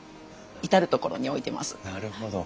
なるほど。